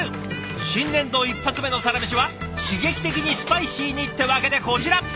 新年度１発目のサラメシは刺激的にスパイシーにってわけでこちら！